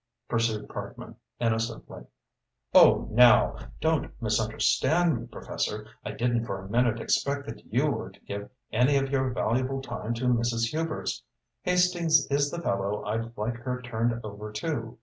pursued Parkman, innocently. "Oh, now, don't misunderstand me, Professor. I didn't for a minute expect that you were to give any of your valuable time to Mrs. Hubers. Hastings is the fellow I'd like her turned over to.